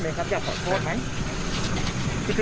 เนื่องจากช่วงเวลาเกิดเหตุทั้งหมดเนี่ยเศรษฐุชาติอยู่คนเดียวนะครับ